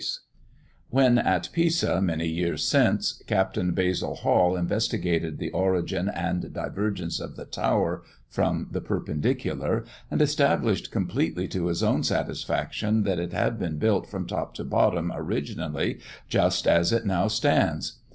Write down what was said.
Footnote 2: When at Pisa, many years since, Captain Basil Hall investigated the origin and divergence of the tower from the perpendicular, and established completely to his own satisfaction that it had been built from top to bottom, originally, just as it now stands.